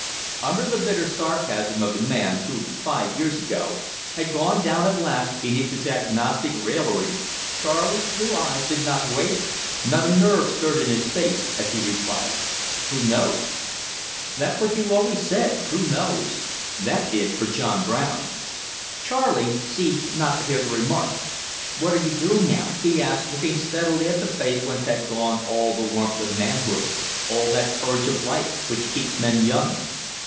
'" Under the bitter sarcasm of the man, who, five years ago, had gone down at last beneath his agnostic raillery, Charley's blue eye did not waver, not a nerve stirred in his face, as he replied: "Who knows!" "That was what you always said who knows! That did for John Brown." Charley seemed not to hear the remark. "What are you doing now?" he asked, looking steadily at the face whence had gone all the warmth of manhood, all that courage of life which keeps men young.